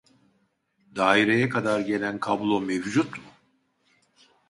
Daireye kadar gelen kablo mevcut mu ?